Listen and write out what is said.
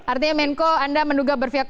artinya menko anda menduga berfiat